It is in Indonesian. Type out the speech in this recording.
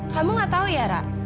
kamu gak tahu ya ra